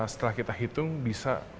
setelah kita hitung bisa